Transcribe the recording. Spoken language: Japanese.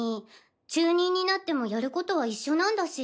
中忍になってもやることは一緒なんだし。